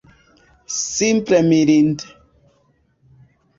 Simple mirinde!